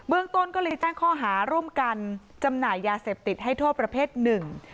ต้นก็เลยแจ้งข้อหาร่วมกันจำหน่ายยาเสพติดให้โทษประเภทหนึ่ง